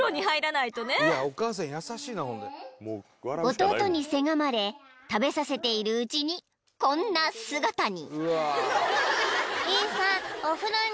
［弟にせがまれ食べさせているうちにこんな姿に］